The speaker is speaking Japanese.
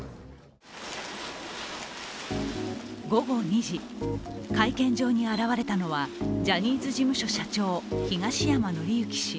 午後２時、会見場に現れたのはジャニーズ事務所社長、東山紀之氏。